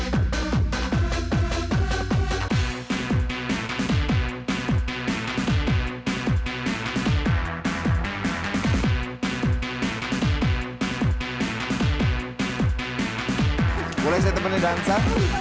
boleh saya temani dansa